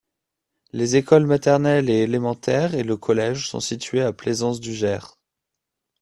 Les écoles maternelles et élémentaires et le collège sont situés à Plaisance du Gers.